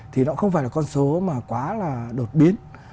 thì nó không phải là con số mà quá là đột biến